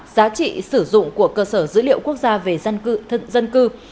giá trị sử dụng của cơ sở dữ liệu quốc gia về dân cư